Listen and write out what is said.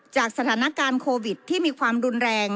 จากสถานการณ์โควิดที่มีความรุนแรง